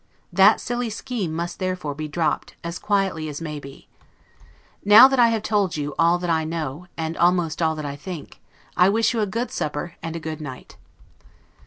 That silly scheme must therefore be dropped, as quietly as may be. Now that I have told you all that I know, and almost all that I think, I wish you a good supper and a good night.